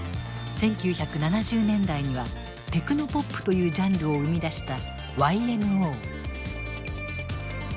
１９７０年代にはテクノポップというジャンルを生み出したＹＭＯ。